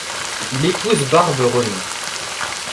Il épouse Barbe Renaut.